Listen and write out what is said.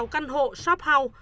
hai mươi sáu căn hộ shop house